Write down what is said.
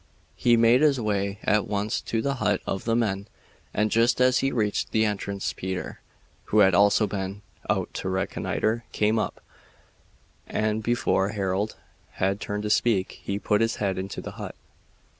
He made his way at once to the hut of the men, and just as he reached the entrance Peter (who had also been out to reconnoiter) came up, and before Harold had turned to speak he put his head into the hut.